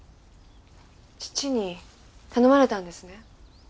父に頼まれたんですね？